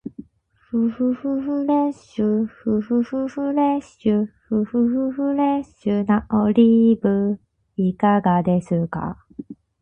ふふふフレッシュ、ふふふフレッシュ、ふふふフレッシュなオリーブいかがですか？